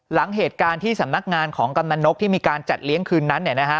หลังเหตุการณ์ที่สำนักงานของกำนันนกที่มีการจัดเลี้ยงคืนนั้น